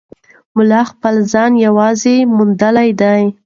ملا خپل ځان یوازې موندلی دی.